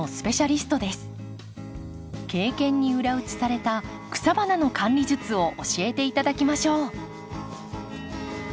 経験に裏打ちされた草花の管理術を教えて頂きましょう。